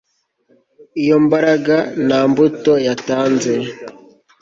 iyo mbaraga nta mbuto yatanze